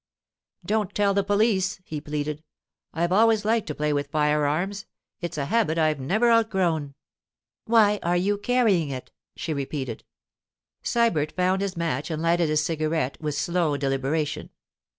'Don't tell the police' he pleaded. 'I've always liked to play with fire arms; it's a habit I've never outgrown.' 'Why are you carrying it?' she repeated. Sybert found his match and lighted his cigarette with slow deliberation.